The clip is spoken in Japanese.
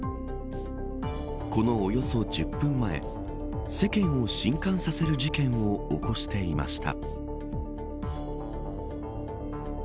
このおよそ１０分前世間を震撼させる事件を起こしていました。